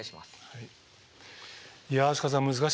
はい。